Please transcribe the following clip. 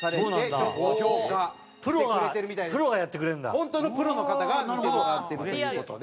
本当のプロの方が見てくださってるという事で。